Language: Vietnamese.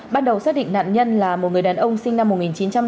ban đầu xác định nạn nhân là một người đàn ông sinh năm một nghìn chín trăm tám mươi